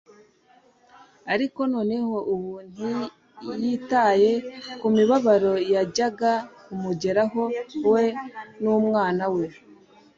Ariko noneho ubu ntiyitaye ku mibabaro yajyaga kumugeraho we numwana we